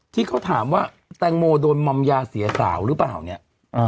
ที่เขาถามว่าแตงโมโดนมอมยาเสียสาวหรือเปล่าเนี่ย